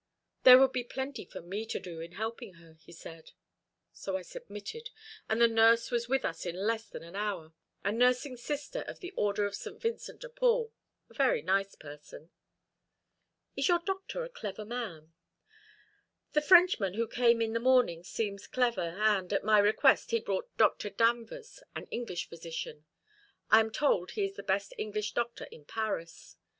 There would be plenty for me to do in helping her, he said. So I submitted, and the nurse was with us in less than an hour a nursing sister of the order of St. Vincent de Paul, a very nice person." "Is your doctor a clever man?" "The Frenchman who came in the morning seems clever; and, at my request, he brought Dr. Danvers, an English physician. I am told he is the best English doctor in Paris.